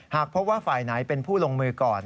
หากพบว่าฝ่ายไหนเป็นผู้ลงมือก่อน